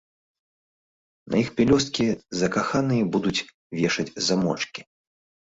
На іх пялёсткі закаханыя будуць вешаць замочкі.